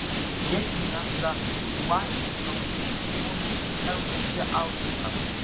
Jeshi lilianzisha uasi unaoungwa mkono na Rhodesia au Zimbabwe